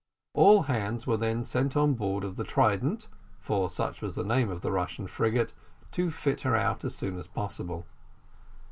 All hands were then sent on board of the Trident, for such was the name of the Russian frigate, to fit her out as soon as possible.